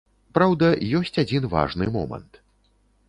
Праўда, ёсць адзін важны момант.